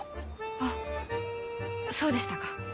あっそうでしたか。